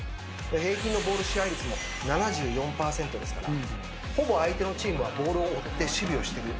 平均のボール支配率も７４％ですからほぼ相手のチームはボールを追って守備をしている。